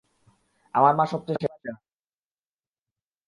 আমার মা সবচেয়ে সেরা।